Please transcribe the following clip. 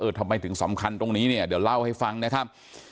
ทำไมถึงสำคัญตรงนี้เนี่ยเดี๋ยวเล่าให้ฟังนะครับ